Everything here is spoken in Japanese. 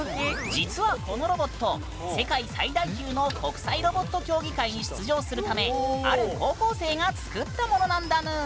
実はこのロボット世界最大級の国際ロボット競技会に出場するためある高校生が作ったものなんだぬん。